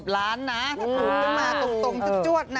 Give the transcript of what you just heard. มาตรงสักจวดนะ